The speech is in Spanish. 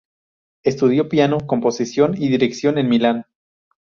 Estudió piano, composición y dirección en Milán.